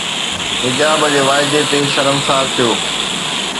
حجاب جي واعدي تي شرمسار ٿيو